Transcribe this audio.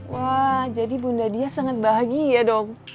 wah jadi bunda dia sangat bahagia dong